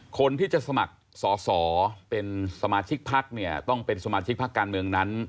คนที่จะสมัครสอสอเป็นสมาชิกพักเนี่ยต้องเป็นสมาชิกพักการเมืองนั้น